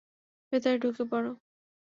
ভেতরে ঢুকে পড়ো!